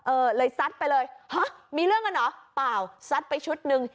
เออเลยซัดไปเลยฮะมีเรื่องกันเหรอเปล่าซัดไปชุดหนึ่ง